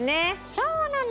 そうなの。